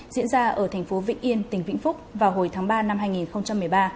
diễn ra ở thành phố vịnh yên tỉnh vĩnh phúc vào hồi tháng ba năm hai nghìn một mươi ba